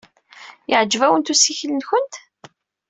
Yeɛjeb-awent ussikel-nwent?